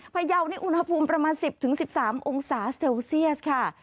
พยาวนี่อุณหภูมิประมาณ๑๐๑๓องศาเซลเซียสค่ะ